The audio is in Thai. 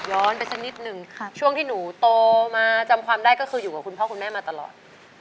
ไปสักนิดนึงช่วงที่หนูโตมาจำความได้ก็คืออยู่กับคุณพ่อคุณแม่มาตลอด